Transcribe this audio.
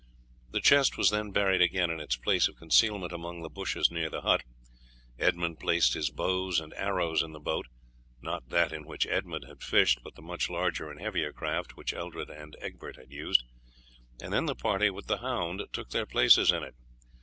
The chest was then buried again in its place of concealment among the bushes near the hut, Edmund placed his bows and arrows in the boat not that in which Edmund had fished, but the much larger and heavier craft which Eldred and Egbert had used and then the party, with the hound, took their places in it.